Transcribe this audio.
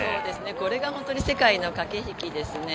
これが世界の駆け引きですね